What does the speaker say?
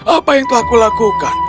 apa yang telah aku lakukan